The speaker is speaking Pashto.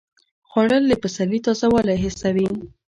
خوړل د پسرلي تازه والی حسوي